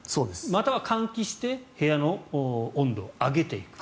または換気して部屋の温度を上げていく。